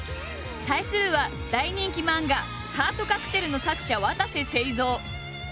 対するは、大人気漫画「ハートカクテル」の作者わたせせいぞう。